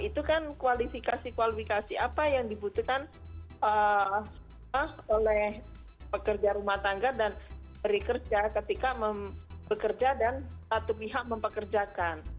itu kan kualifikasi kualifikasi apa yang dibutuhkan oleh pekerja rumah tangga dan dari kerja ketika bekerja dan satu pihak mempekerjakan